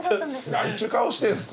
何ちゅう顔してんですか。